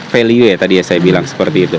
value ya tadi ya saya bilang seperti itu